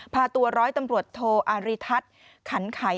พาตัวร้อยตำรวจโทอาริทัศน์ขันไข